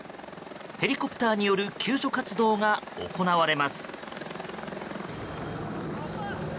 ヘリコプターによる救助活動が行われます。